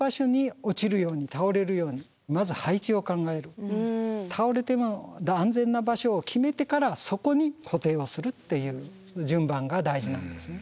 もっと大事な基本は倒れても安全な場所を決めてからそこに固定をするっていう順番が大事なんですね。